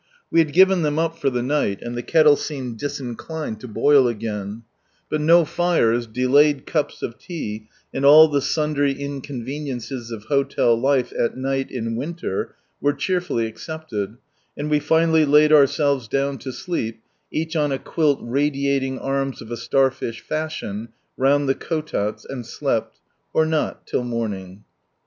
We had given them up tor the night, and the kettle seemed disinclined to boil again; but no fires, delayed cups of tea, and all the sundry inconveniences of hotel life, at night, in winter, were cheerfully accepted, and we finally laid ourselves down to sleep, each on a quilt radiating arm s of a starfish fash ion, round the kotals, and slept— or not, till morning.